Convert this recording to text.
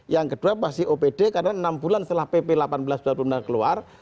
yang kedua pasti opd karena enam bulan setelah pp delapan belas dua puluh enam keluar